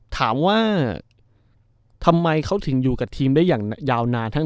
ถามว่าทำไมเขาถึงอยู่กับทีมได้อย่างยาวนาน